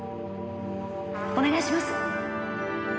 お願いします！